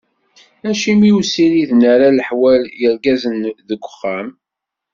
Acimi ur ssiriden ara leḥwal yergazen deg wexxam?